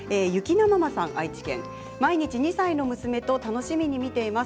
愛知県の方毎朝２歳の娘と楽しみに見ています。